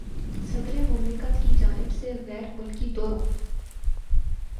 صدر مملکت کی جانب سے غیر ملکی دوروں